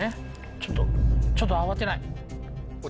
ちょっとちょっと慌てない。